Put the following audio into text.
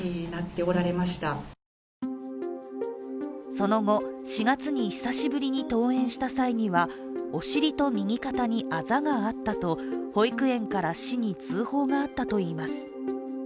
その後、４月に久しぶりに登園した際にはお尻と右肩にあざがあったと保育園から市に通報があったといいます。